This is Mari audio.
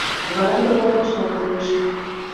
Вара товатлашат лиеш.